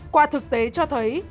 qua thực tế cho thấy